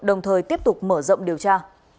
đồng thời tiếp tục mở rộng điều tra